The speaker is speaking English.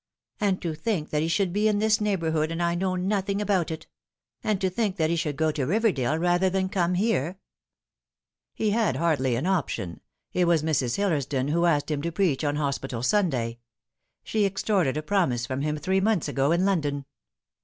And to think that he should be in this neighbourhood and I know nothing about it ; and to think that he should go to Biverdale rather than come here !" "He had hardly any option. It was Mrs. Hillersdon who asked him to preach on Hospital Sunday. She extorted a promise from him three months ago in London.